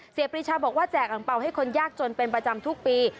ปรีชาบอกว่าแจกอังเปล่าให้คนยากจนเป็นประจำทุกปี